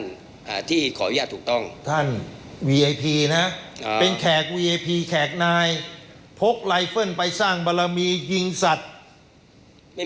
มีการที่จะพยายามติดศิลป์บ่นเจ้าพระงานนะครับ